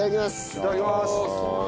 いただきます。